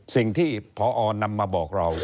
สิ่งที่พอนำมาบอกเรา